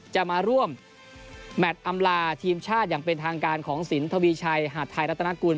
จะมาร่วมแมทอำลาทีมชาติอย่างเป็นทางการของสินทวีชัยหาดไทยรัฐนากุล